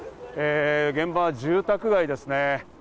現場は住宅街ですね。